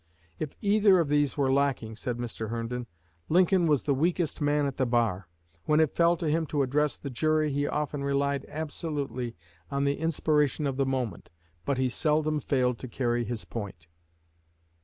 "If either of these were lacking," said Mr. Herndon, "Lincoln was the weakest man at the bar. When it fell to him to address the jury he often relied absolutely on the inspiration of the moment, but he seldom failed to carry his point."